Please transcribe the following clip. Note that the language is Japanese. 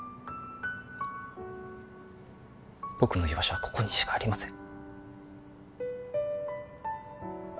僕の居場所はここにしかありません